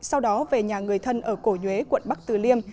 sau đó về nhà người thân ở cổ nhuế quận bắc từ liêm